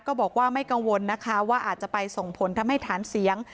ก็บอกว่าไม่กังวลนะคะว่าอาจจะไปส่งผลทำให้ฐานเสียง